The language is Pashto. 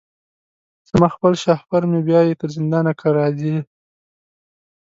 زما خپل شهپر مي بیايي تر زندانه که راځې